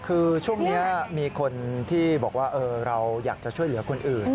คือช่วงนี้มีคนที่บอกว่าเราอยากจะช่วยเหลือคนอื่น